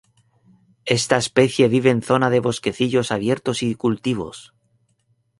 Esta especie vive en zona de bosquecillos abiertos y cultivos.